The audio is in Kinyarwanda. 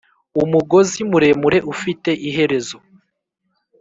umugozi muremure ufite iherezo